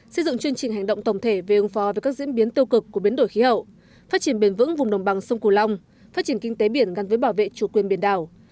xây dựng chương trình hành động tổng thể về ứng phó với các diễn biến tiêu cực của biến đổi khí hậu phát triển bền vững vùng đồng bằng sông cù long phát triển kinh tế biển gắn với bảo vệ chủ quyền biển đảo